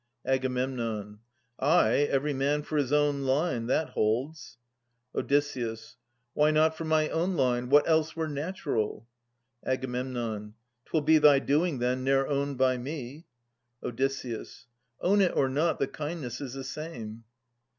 Ag. Ay, every man for his own line ! That holds. Od. Why not for my own line? What else were natural ? Ag. 'Twill be thy doing then, ne'er owned by me. Od. Own it or not, the kindness is the same.